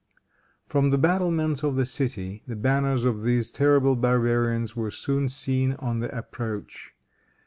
From the battlements of the city, the banners of these terrible barbarians were soon seen on the approach.